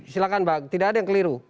silahkan bang tidak ada yang keliru